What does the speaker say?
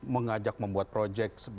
mengajak membuat projek